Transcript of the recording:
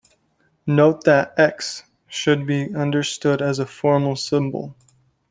Note that "x" should be understood as a formal symbol.